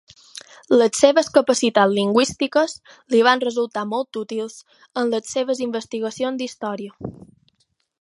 Les seves capacitats lingüístiques li van resultar molt útils en les seves investigacions d'Història.